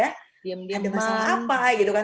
ada masalah apa gitu kan